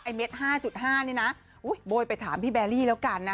เม็ด๕๕นี่นะโบยไปถามพี่แบรี่แล้วกันนะ